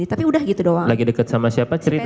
tapi udah gitu doang lagi deket sama siapa cerita